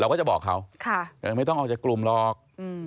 ก็จะบอกเขาไม่ต้องออกจากกลุ่มหรอก